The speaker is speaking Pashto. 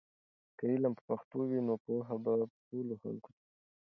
که علم په پښتو وي نو پوهه به په ټولو خلکو کې وي.